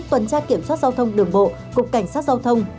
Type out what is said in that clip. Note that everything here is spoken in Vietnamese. tuần tra kiểm soát giao thông đường bộ cục cảnh sát giao thông